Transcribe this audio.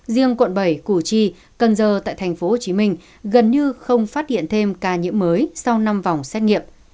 riêng quận bảy củ chi cần giơ tại thành phố hồ chí minh gần như không phát hiện thêm ca nhiễm mới sau năm vòng xét nghiệm